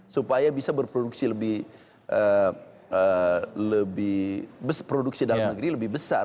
supaya bisa berproduksi lebih produksi dalam negeri lebih besar